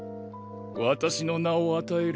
私の名を与える。